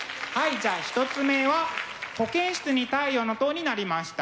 じゃあ１つ目は「保健室に太陽の塔」になりました。